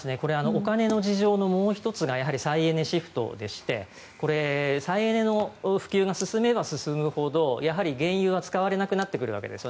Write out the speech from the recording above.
お金の事情のもう１つが再エネシフトでしてこれ、再エネの普及が進めば進むほどやはり原油は使われなくなってくるわけです。